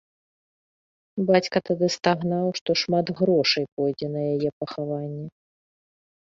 Бацька тады стагнаў, што шмат грошай пойдзе на яе пахаванне.